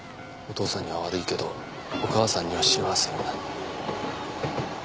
「お父さんには悪いけどお母さんには幸せに」